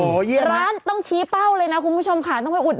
โอ้โหเยี่ยมมากร้านต้องชี้เป้าเลยนะคุณผู้ชมค่ะ